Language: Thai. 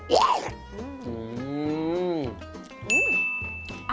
อืม